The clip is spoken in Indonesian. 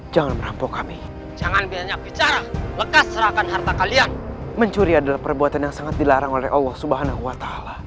suria adalah perbuatan yang sangat dilarang oleh allah swt